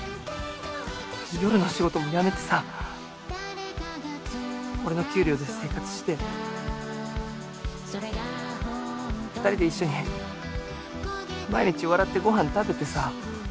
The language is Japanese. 夜の仕事も辞めてさ俺の給料で生活して二人で一緒に毎日笑ってご飯食べてさ。